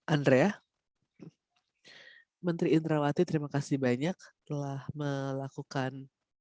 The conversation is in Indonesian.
andrea menteri indrawati terima kasih banyak telah melakukan